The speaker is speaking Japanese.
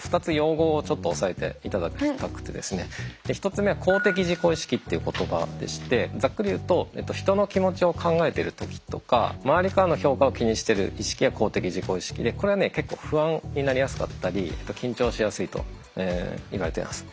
１つ目は公的自己意識っていう言葉でしてざっくり言うと人の気持ちを考えてる時とか周りからの評価を気にしてる意識が公的自己意識でこれはね結構不安になりやすかったり緊張しやすいといわれています。